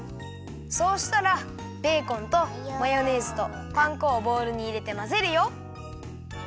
そうしたらベーコンとマヨネーズとパン粉をボウルにいれてまぜるよ。